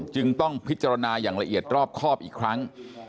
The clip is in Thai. จึงต้องพิจารณาอย่างละเอียดรอบครอบอีกครั้ง